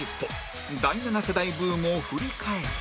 第七世代ブームを振り返って